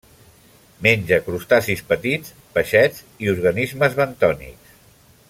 Menja crustacis petits, peixets i organismes bentònics.